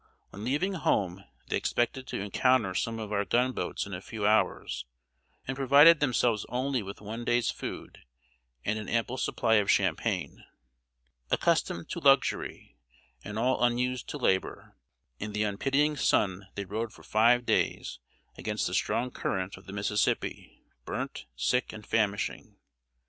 When leaving home they expected to encounter some of our gun boats in a few hours, and provided themselves only with one day's food, and an ample supply of champagne. Accustomed to luxury, and all unused to labor, in the unpitying sun they rowed for five days against the strong current of the Mississippi, burnt, sick, and famishing.